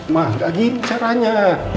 ma gak gini caranya